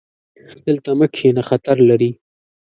دلته مه کښېنه، خطر لري